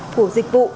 của dịch vụ